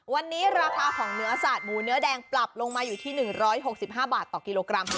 วันนี้ราคาของเนื้อสาดหมูเนื้อแดงปรับลงมาอยู่ที่๑๖๕บาทต่อกิโลกรัม